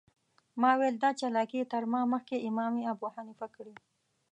ما ویل دا چالاکي تر ما مخکې امام ابوحنیفه کړې.